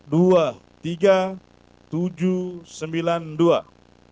jumlah seluruh suara sah